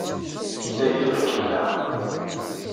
Yella yeffeɣ-ikem leɛqel.